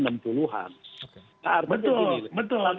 betul betul itu sudah kita akan lakukan